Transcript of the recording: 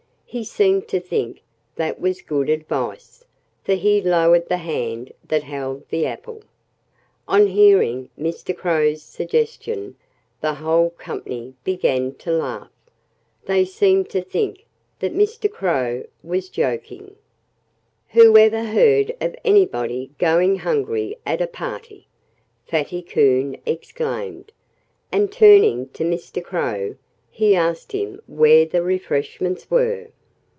He seemed to think that was good advice, for he lowered the hand that held the apple. On hearing Mr. Crow's suggestion the whole company began to laugh. They seemed to think that Mr. Crow was joking. "Who ever heard of anybody going hungry at a party?" Fatty Coon exclaimed. And turning to Mr. Crow, he asked him where the refreshments were.